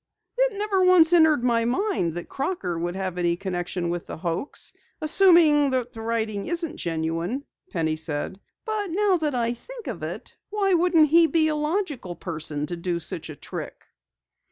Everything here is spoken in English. "It never once entered my head that Crocker could have any connection with the hoax, assuming that the writing isn't genuine," Penny said. "But now that I think of it, why wouldn't he be a logical person to do such a trick?"